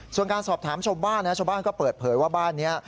ส่วนการสอบถามชาวบ้านนะชาวบ้านก็เปิดเผยว่าบ้านนี้